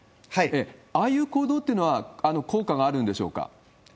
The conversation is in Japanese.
ああいう行動というのは、効果があるんでしょうか？